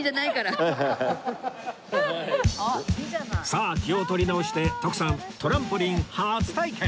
さあ気を取り直して徳さんトランポリン初体験